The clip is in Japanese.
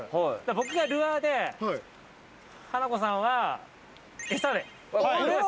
僕がルアーで、ハナコさんは、えさで。